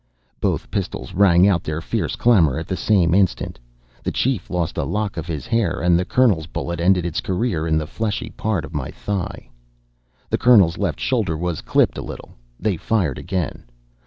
Both pistols rang out their fierce clamor at the same instant. The chief lost a lock of his hair, and the Colonel's bullet ended its career in the fleshy part of my thigh. The Colonel's left shoulder was clipped a little. They fired again.